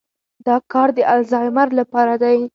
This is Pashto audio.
دا کار د الزایمر لپاره دی.